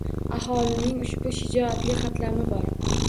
Aholining ushbu shijoatli qatlami bor